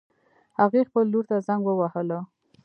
هغې خپل لور ته زنګ ووهله